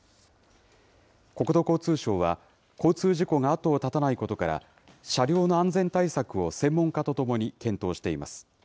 国土交通省は、交通事故が後が絶たないことから、車両の安全対策を専門家と共に検討しています。